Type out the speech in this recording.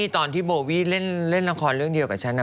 ก่อนที่โบวี่เล่นเรื่องเดียวกับฉันอะ